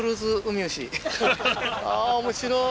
あぁ面白い。